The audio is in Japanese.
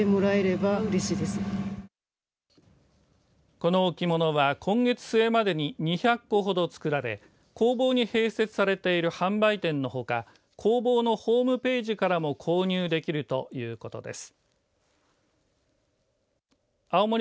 この置物は、今月末までに２００個ほど作られ工房に併設されている販売店のほか工房のホームページからも購入できるということです。